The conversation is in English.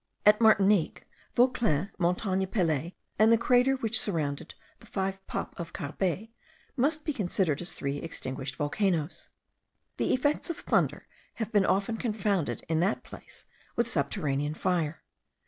At Martinique, Vauclin, Montagne Pelee, and the crater surrounded by the five Paps of Carbet, must be considered as three extinguished volcanoes. The effects of thunder have been often confounded in that place with subterranean fire.